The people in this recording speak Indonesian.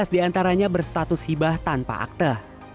sembilan belas di antaranya berstatus hibah tanpa akte